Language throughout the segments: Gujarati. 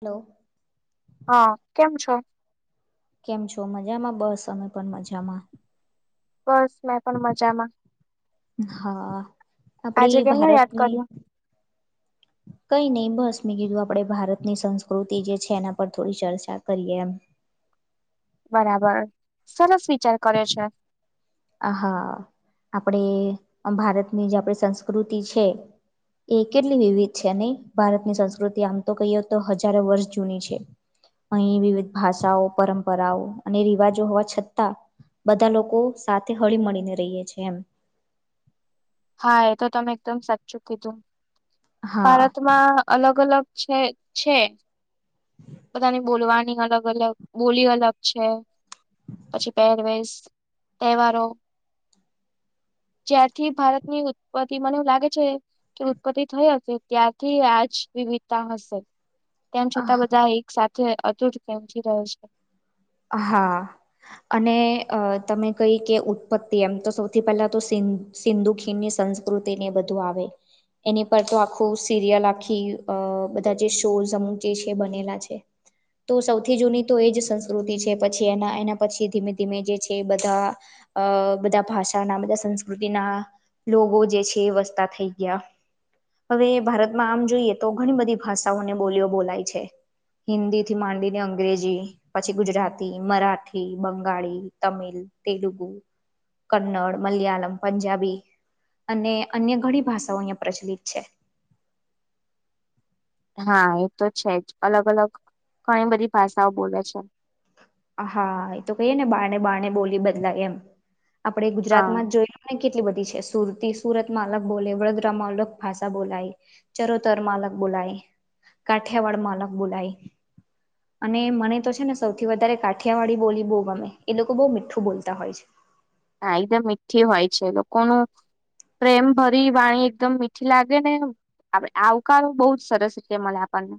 હલો. હા કેમ છો? કેમ છો મજામાં બસ અમે પણ મજામાં. બસ મેં પણ મજામાં. હા આજે આપણી કેમનું યાદ ભારતની કર્યું કઈ નહીં બસ મેં કીધું આપણે ભારતની સંસ્કૃતિ જે છે એના પર થોડી ચર્ચા કરીએ એમ બરાબર સરસ વિચાર કરે છે. આહા આપણે એ અ ભારતની જે આપણી સંસ્કૃતિ છે. એ કેટલી વિવિધ છે નઈ ભારતની સંસ્કૃતિ આમ તો કહીએ તો હજારો વર્ષ જૂની છે. અહીં વિવિધ ભાષાઓ પરંપરાઓ અને રિવાજો હોવા છતાં બધા લોકો સાથે હળી મળીને રહીએે છે એમ. હા એ તો તમે એકદમ સાચું કીધું હા ભારતમાં અલગ અલગ છે છે બધાની બોલવાની અલગ અલગ બોલી અલગ છે પછી પહેરવેશ તહેવારો જ્યારથી ભારતની ઉત્પત્તિ મને એવું લાગે છે. કે ઉત્પત્તિ થઈ હશે ત્યારથી આજ વિવિધતા હશે. તેમ છતાં બધા એક સાથે અતુટ પ્રેમથી રહે છે. હા આ અને અ તમે કહી કે ઉત્પત્તિ એમ તો સૌથી પહેલા તો સિ સિંધુ ખીણની સંસ્કૃતિ ને એ બધું આવે એની ઉપર તો આખૂ સિરિયલ આખી અ બધા જે શોઝ અમુક છે બનેલા છે. તો સૌથી જૂની તો એજ સં કૃતિ છે પછી એના એના પછી ધીમે ધીમે જે છે બધા અ બધા ભાષાના અને બધા સંસ્કૃતિના લોકો જે છે એ વસતા થઈ ગયા. હવે ભારતમાં આમ જોઈએ તો ઘણી બધી ભાષાઓની બોલીઓ બોલાય છે. હિન્દી થી માંડીને અંગ્રેજી. પછી ગુજરાતી મરાઠી બંગાળી તમિલ તેલુગુ. કન્નડ મલયાલમ પંજાબી, અને અન્ય ઘણી ભાષાઓ અહિયાં પ્રચલિત છે. હા એ તો છે જ અલગ અલગ ઘણી બધી ભાષાઓ બોલે છે. હા એ તો કહીએે ને બારને બારણે બોલી બદલાય એમ આપણે ગુજરાત હા માં જ જોય. અને કેટલી બધી છે સુરતી સુરત માં અલગ બોલે વડોદરામાં અલગ ભાષા બોલાય ચરોતરમા અલગ બોલાય કાઠિયાવાડ મા અલગ બોલાય અને મને તો છે ને સૌથી વધારે! કાઠિયાવાળી બોલી બહુ ગમે એ લોકો બહુ મીઠું બોલતા હોય છે. હા એકદમ મીઠી હોય છે લોકોનું. પ્રેમ ભરી વાણી એકદમ મીઠી લાગે ને. આપડ આવકારો બહુ જ સરસ રી મળે આપણને.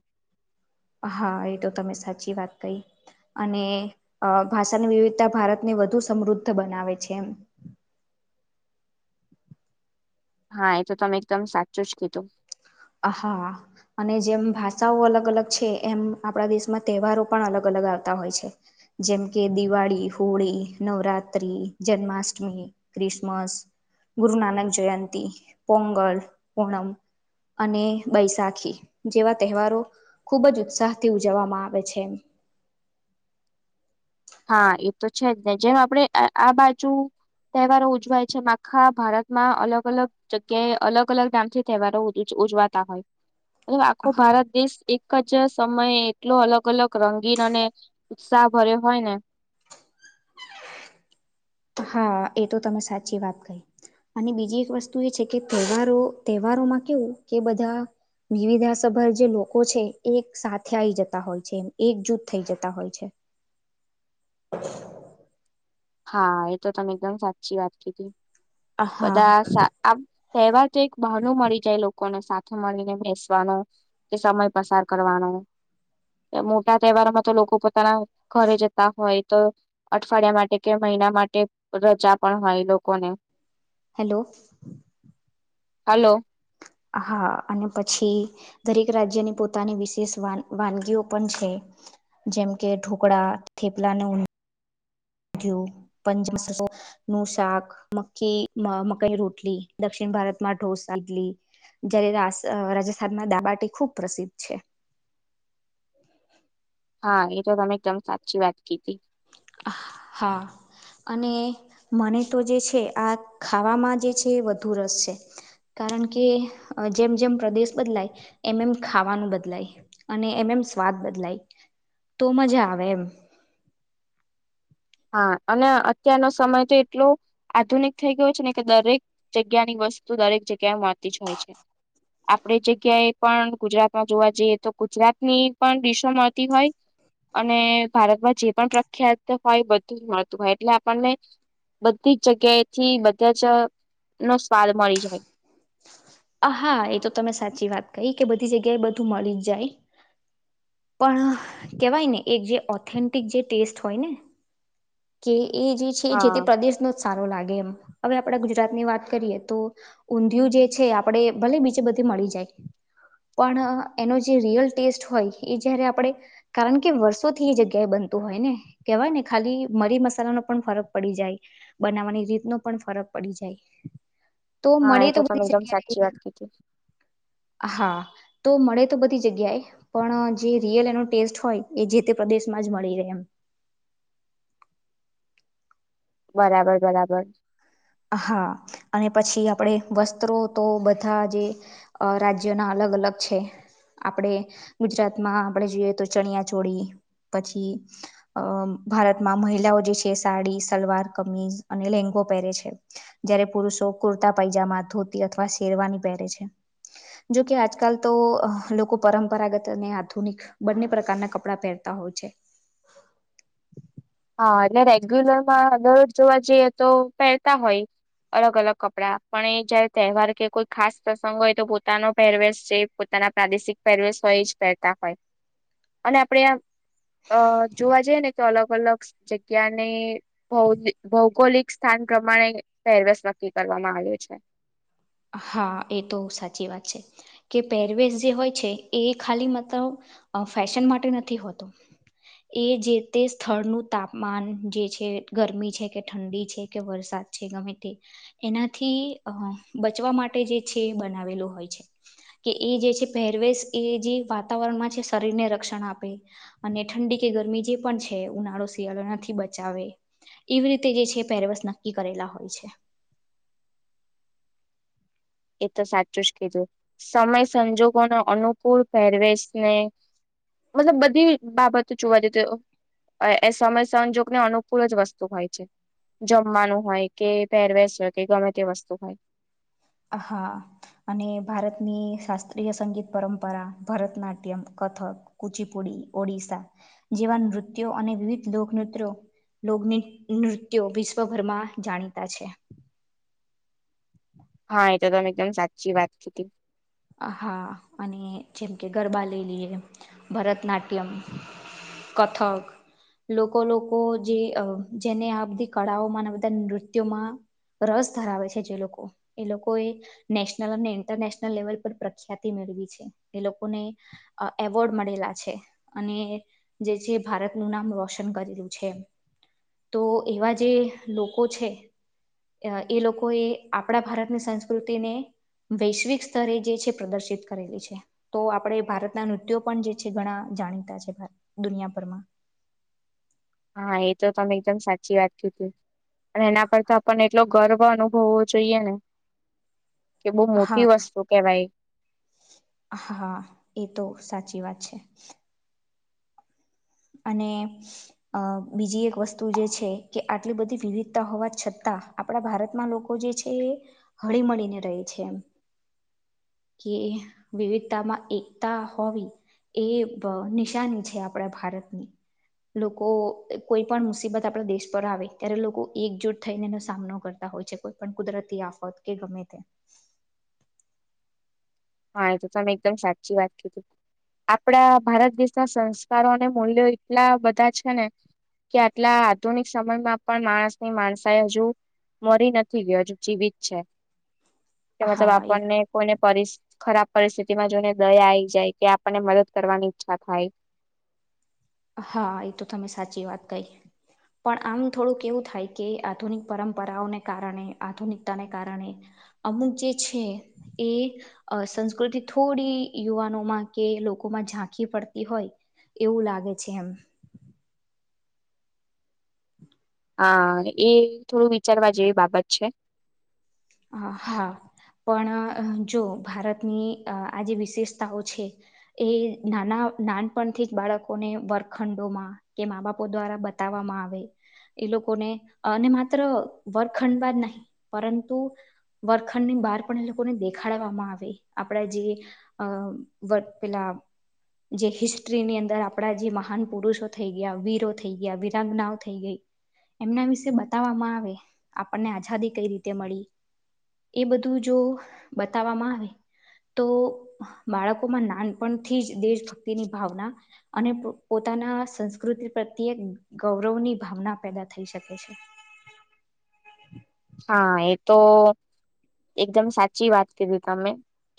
હા એ તો તમે સાચી વાત કહી. અને ભાષાની વિવિધતા ભારતને વધુ સમૃદ્ધ બનાવે છે એમ. હા એ તો તમે એકદમ સાચું જ કીધું. આ હા અને જેમ ભાષાઓ અલગ અલગ છે એમ આપણા દેશમાં તહેવારો પણ અલગ અલગ આવતા હોય છે. જેમકે દિવાળી હોળી નવરાત્રિ જન્માષ્ટમી, ક્રિસમસ ગુરુ નાનક જયંતિ પોંગલ ઓણમ, અને બૈસાાખી જેવા તહેવારો ખુબ જ ઉત્સાહથી ઉજવવામાં આવે છે. હા એ તો છે જ ને જેમ આપડે આ બાજુ. તહેવારો ઉજવાય છે માખા ભારતમાં અલગ અલગ, જગ્યાએ અલગ અલગ નાામથી તહેવારો ઉજવાતા હોય આખો ભારત દેશ. એક જ સમયે એટલો અલગ અલગ રંગીન અને ઉત્સાહ ભર્યો હોય ને. હા એ તો તમે સાચી વાત કહી. અને બીજી એક વસ્તુ એ છે કે તહેવારો તહેવારોમાં કેવું કે બધા. વિવિધાસભર જે લોકો છે એક સાથે આઈ જતા હોય છે એકજૂથ થઈ જતા હોય છે, હ. હા એ તો તમે એકદમ સાચી વાત કીધી હા બધા. તહેવા તો એક બણું મળી જાય લોકોને સાથે મળીને બેસવાનું. તે સમય પસાર કરવાનો. મોટા તહેવારોમાં તો લોકો પોતાના ઘરે જતા હોય તો અઠવાડિયા માટે, કે મહિના માટે રજા પણ હોય લોકોને! હેલો. હલો? હા અને પછી, દરેક રાજ્યની પોતાની વિશેષ વાનગીઓ પણ છે. જેમ કે ઢોકળા થેપલા ને. જો [inaudible] નું શાક મખી મકાઈ રોટલી દક્ષિણ ભારતમાં ઢોસદલી. જય્યારે રાજસ્થાનમાં દાલબાટી ખુબ પ્રસિદ્ધ છે. હા એ તો તમે એકદમ સાચી વાત કીધી. અ હા, અને મને તો જે છે આ ખાવામાં જે છે વધુ રસ છે. કારણ કે જેમ જેમ પ્રદેશ બદલાય એમ એમ ખાવાનું બદલાય, અને એમ એમ સ્વાદ બદલાય તો મજા આવે એમ. હા અને અત્યારનો સમય તો એટલો. આધુનિક થઈ ગયું છે ને કે દરેક જગ્યાની વસ્તુ દરેક જગ્યા મળતી જ હોય છે આપણે જગ્યાએ પણ ગુજરાતમાં જોવા જઈએ તો ગુજરાત ની પણ દિશો મળતી હોય અને ભારતમાં જે પણ પ્રખ્યાત હોય બધું જ મળતું હોય એટલે આપણને બધી જ જગ્યાએ થી બધા જ નો સ્વાદ મળી જાય હા એ તો તમે સાચી વાત કહી કે બધી જગ્યાએ બધું મળી જ જાય. પણ કહેવાય ને એક જે ઓથેન્ટિક જે ટેસ્ટ હોય ને. કે એ જે છે જે હા તે પ્રદેશનો જ સારો લાગે એમ હવે આપડા ગુજરાતની વાત કરીએ તો ઊંધિયું જે છે આપડે ભલે બીજે બધી મળી જાય પણ એનો જે રિયલ ટેસ્ટ હોય એ જ્યારે આપણે. કારણ કે વર્ષો થી એ જગ્યા એ બનતું હોય ને કેહેવાય ને ખાલી. મરી મસાલા ન પણ ફરક પડી જાય બનાવવાની રીત ન પણ ફરક પડી જાય તો હા મળે એ તો બી તમે એકદમ સાચી જગ્યા વાત કીધી હા તો મળે તો બધી જગ્યાએ પણ જે રિયલ એનો ટેસ્ટ હોય એ જે તે પ્રદેશમાં. જ મળી રહે એમ બરાબર બરાબર હા અને પછી આપણે વસ્ત્રો તો બધા જે અ રાજ્યોના અલગ અલગ છે. આપણેે ગુજરાતમાં આપડે જોઈએ તો ચણિયા ચોળી પછી અ ભારતમાં મહિલાઓ જે છે સાડી સલવાર કમીજ અને લેંગો પહેરે છે જય્યારે પુરુષો કુર્તા પાયજામા ધોતી અથવા શેરવાની પહેરે છે જોકે આજકાલ તો લોકો પરંપરાગત અને આધુનિક બંને પ્રકારના કપડાં પહેરતા હોય છે હા અને રેગ્યુલરમાં દરરોજ જોવા જઈએ તો પહેરતા હોય અલગ અલગ કપડાં પણ એ જયારે તહેવાર કે કોઈ ખાસ પ્રસંગ હોય તો પોતાનો પહેરવેશ છે પોતાના પ્રાદેશિક પરવેશોય જ કહેતા હોય અને આપડેં અ જોવા જઈએ ને કે અલગ અલગ જગ્યાની ભૌ ભૌગોલિક સ્થાન પ્રમાણે પહેરવસ નક્કી કરવામાં આવ્યો છે હા એ તો સાચી વાત છે કે પેરવેેશ જે હોય છે એ ખાલી મત અ ફેશન માટે નથી હોતો એ જે તે સ્થળનું તાપમાન જે છે ગરમી છે કે ઠંડી છે કે વરસાદ છે ગમે તે એનાથી અ બચવા માટે જે છે બનાવેલું હોય છે કે એ જે છે પહેરવેશ એ જે વાતાવરણમાં છે શરીરને રક્ષણ આપે અને ઠંડી કે ગરમી જે પણ છે ઉનાળો શિયાળો નથી બચાવે એવી રીતે જે છે પેરવસ નક્કી કરેલા હોય છે એ તો સાચું જ કીધું સમય સંજોગો ના અનુકૂળ પેરવેશને મતલબ બધી બાબતો જોવા જઈતી. એ સમય સંજોગને અનુકૂળ જ વસ્તુ હોય છે. જમવાનું હોય કે પહેરવેશ હોય કે ગમે તે વસ્તુ હોય. હ હા અને ભારતની શાસ્ત્રીય સંગીત પરંપરા ભરતનાટ્યમ કથક કુચીપુડી ઓડિશસા જેવા નૃત્યો અને વિવિધ લોકનૃત્યો લોગ નૃત્યો વિશ્વભરમાં જાણીતા છે હા એ તો તમે એકદમ સાચી વાત કી થી હા અને જેમ કે ગરબા લલીએ ભરતનાટ્યમ કથક. લોકો લોકો જે જેને આ બધી કળાઓમાં અને બધા નૃત્યોમાં રસ ધરાવે છે જે લોકો એ લોકો એ નેશનલ અને ઇન્ટરનેશનલ લેવલ પ્રખ્યાતિ મેળવી છે એ લોકોને એવોર્ડ મળેલા છે અને જે છે ભારતનું નામ રોશન કરેલું છે તો એવા જે લોકો છે એ લોકો એ આપણા ભારતની સંસ્કૃતિને વૈશ્વિક સ્તરે જે છે પ્રદર્શિત કરેલી છે તો આપડે ભારતના નૃત્યો પણ જે છે ઘણા જાણીતા છે દુનિયાભરમાં હા એ તો તમે એકદમ સાચી વાત કીધી અને એના પર તો આપણને એટલો ગર્વ અનુભવવો જોઈએ ને કે બહુ હા મોટી વસ્તુ કેવાય હા એ તો સાચી વાત છે. અને અ બીજી એક વસ્તુ જે છે કે આટલી બધી વિવિધતા હોવા છતાં આપણા ભારતમાં લોકો જે છે એ હળી મળીને રહે છે એમ કે વિવિધતામાં એકતા હોવી એ પ નિશાની છે આપણા ભારતની લોકો કોઈ પણ મુસીબત આપણા દેશ પર આવે ત્યારે લોકો એકજુઠ થઈને એનો સામનો કરતા હોય છે. કોઈ પણ કુદરતી આફત કે ગમે તે હા એ તો તમે એકદમ સાચી વાત કીધી. આપડા ભારત દેશના સંસ્કારો અને મૂલ્યો એટલા બધા છે ને કે આટલા આધુનિક સમયમાં પણ માણસ ની માનસાઈ હજુ મરી નથી ગયો હજુ જીવિત છે કે મતલબ હા એ આપણને કોઈને પરિ ખરાબ પરિસ્થિતિમાં જોઈને દયા આવી જાય કે આપણને મદદ કરવાની ઈચ્છા થાય. હા એ તો તમે સાચી વાત કહી. પણ આમ થોડુંક એવું થાય કે આધુનિક પરંપરાઓને કારણે આધુનિકતાને કારણે અમુક જે છે એ અ સંસ્કૃતિ થોડી યુવાનોમાં કે લોકોમાં ઝાંખી પડતી હોય એવું લાગે છે એમ. હા એ થોડું વિચારવા જેવી બાબત છે. હા પણ જો ભારતની આ જે વિશેષતાઓ છે. એ નાના નાનપણથી જ બાળકોને વર્ગખંડો માં કે મા બાપો દ્વારા બતાવવામાં આવે એ લોકોને અને માત્ર વર્ગખંડમાં જ નહી પરંતુ વર્ગખંડ ની બહાર પણ એ લોકોને દેખાડવામાં આવે આપણા જે અ વ પેલા જે હિસ્ટ્રીની અંદર આપડા જે મહાન પુરુષો થઈ ગયા, વીરો થઈ ગયા, વીરાંગનાઓ થઈ ગઈ એમના વિશે બતાવવામાં આવે આપણને આઝાદી કઈ રીતે મળી એ બધું જો બતાવવામાં આવે તો બાળકોમાં નાનપણથી જ દેશભક્તિની ભાવના અને પોતાના સંસ્કૃતિ પ્રત્યે ગૌરવની ભાવના પેદા થઈ શકે છે. હા એ તો એકદમ સાચી વાત કીધી તમે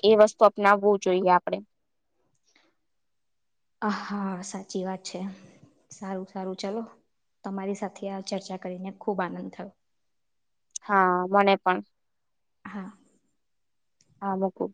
એ વસ્તુ અપનાવવું જોઈએ આપડે. આ હા સાચી વાત છે સારું સારું ચલો. તમારી સાથે આ ચર્ચા કરીને ખૂબ આનંદ થયો. હા મને પણ હા હા મૂકુ